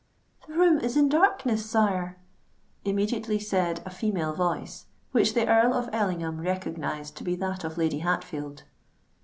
"This room is in darkness, sire," immediately said a female voice, which the Earl of Ellingham recognised to be that of Lady Hatfield.